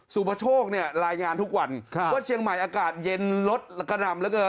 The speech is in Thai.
สูงประโชคลายงานทุกวันว่าเชียงใหม่อากาศเย็นลดกระดำ